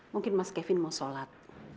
mungkin mas kevin mau sholat